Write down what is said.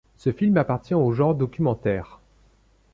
Ce film appartient au genre documentaire.